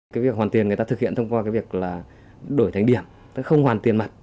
cái việc hoàn tiên người ta thực hiện thông qua cái việc là đổi thành điểm không hoàn tiên mặt